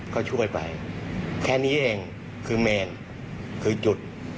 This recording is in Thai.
ก็ช่วยไปแค่นี้เองคือเมนคือจุด